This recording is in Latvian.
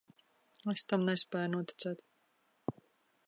Es tam nespēju noticēt.